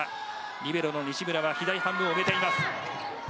リベロ西村が左半分を埋めています。